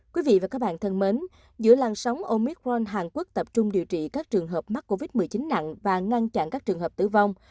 quý vị và các bạn thân mến giữa làn sóng omicron hàn quốc tập trung điều trị các trường hợp mắc covid một mươi chín nặng và ngăn chặn các trường hợp tử vong